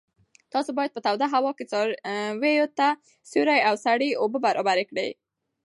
تاسو باید په توده هوا کې څارویو ته سیوری او سړې اوبه برابرې کړئ.